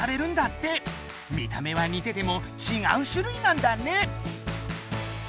見た目はにててもちがうしゅ類なんだね。